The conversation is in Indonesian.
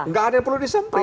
enggak ada yang perlu disemprit